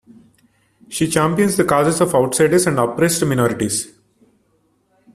She champions the causes of outsiders and oppressed minorities.